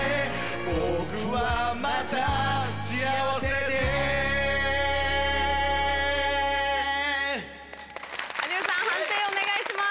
僕はまた、幸せで有吉さん判定お願いします。